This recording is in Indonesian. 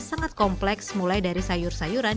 sangat kompleks mulai dari sayur sayuran